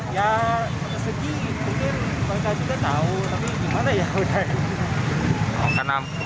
ya sedih mungkin mereka juga tahu tapi gimana ya udah